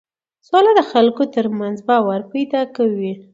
سوله د خلکو ترمنځ باور پیدا کوي